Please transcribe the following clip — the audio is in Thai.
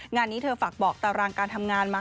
งานนี้เธอฝากบอกตารางการทำงานมา